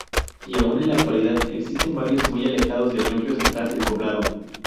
Y aún en la actualidad existen barrios muy alejados del núcleo central del poblado.